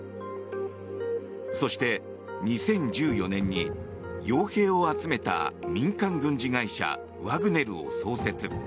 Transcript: そして、２０１４年に傭兵を集めた民間軍事会社ワグネルを創設。